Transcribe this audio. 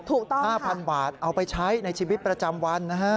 ถูกต้องค่ะ๕๐๐๐บาทเอาไปใช้ในชีวิตประจำวันนะฮะ